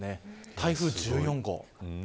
台風１４号。